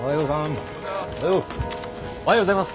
おはようございます。